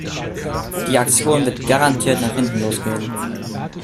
Die Aktion wird garantiert nach hinten losgehen.